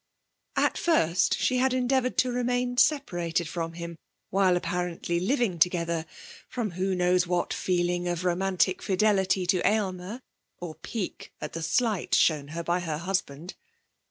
At first she had endeavoured to remain separated from him, while apparently living together, from who knows what feeling of romantic fidelity to Aylmer, or pique at the slight shown her by her husband.